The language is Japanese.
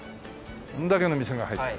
これだけの店が入ってる。